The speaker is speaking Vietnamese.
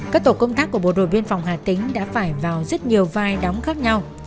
các tổ công tác của bộ đội biên phòng hà tĩnh đã phải vào rất nhiều vai đóng khác nhau